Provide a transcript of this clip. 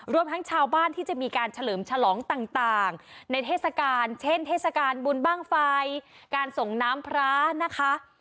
รวมทั้งชาวบ้านที่จะมีการเฉลิมฉลองต่างในเทศกาลเช่นเทศกาลบุญบ้างไฟการส่งน้ำพระนะคะ